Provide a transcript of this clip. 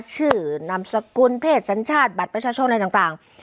ชื่อนามสกุลเพศสัญชาติบัตรประชาชนอะไรต่าง